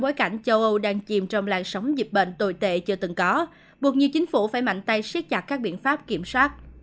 bối cảnh châu âu đang chìm trong làn sóng dịch bệnh tồi tệ chưa từng có buộc nhiều chính phủ phải mạnh tay siết chặt các biện pháp kiểm soát